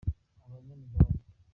abanyamigabane.